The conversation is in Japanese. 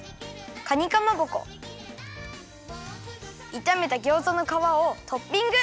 かにかまぼこいためたギョーザのかわをトッピング！